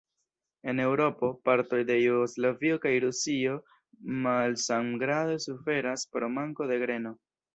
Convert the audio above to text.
En Eŭropo, partoj de Jugoslavio kaj Rusio malsamgrade suferas pro manko de greno.